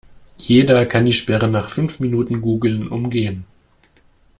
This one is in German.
Jeder kann die Sperren nach fünf Minuten Googlen umgehen.